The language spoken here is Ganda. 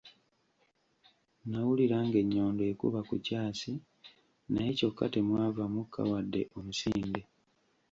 Nawulira ng'ennyondo ekuba ku kyasi, naye kyokka temwava mukka wadde omusinde.